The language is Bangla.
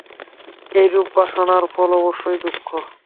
এইরূপ বাসনার ফল অবশ্যই দুঃখ।